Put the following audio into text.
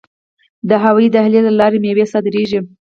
د هوایی دهلیز له لارې میوې صادریږي.